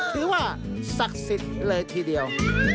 ถือว่าศักดิ์สิทธิ์เลยทีเดียว